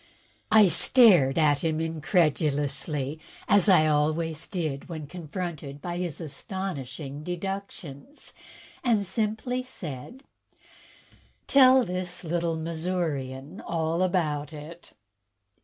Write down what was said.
I stared at him incredulously, as I always did when confronted by his astonishing "deductions," and simply said: "Tell this little Missourian all about it."